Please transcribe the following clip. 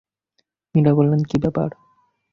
মীরা বললেন, কী ব্যাপার?